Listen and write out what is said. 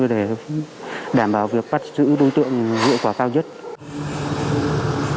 để đảm bảo việc bắt giữ đối tượng hiệu quả cao nhất